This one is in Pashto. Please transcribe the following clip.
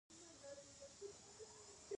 د موسی قلعه سیند په هلمند کې دی